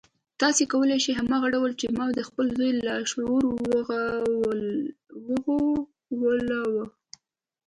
تاسې کولای شئ هماغه ډول چې ما د خپل زوی لاشعور وغولاوه.